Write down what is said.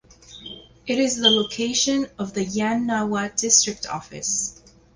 It is the location of the Yan Nawa District Office.